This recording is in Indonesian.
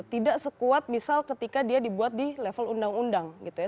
tidak sekuat misal ketika dia dibuat di level undang undang gitu ya